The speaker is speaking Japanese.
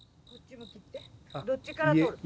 どっちから撮る？